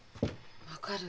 分かる。